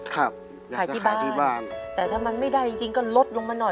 ขายที่บ้านที่บ้านแต่ถ้ามันไม่ได้จริงจริงก็ลดลงมาหน่อย